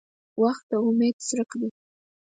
• وخت د امید څرک دی.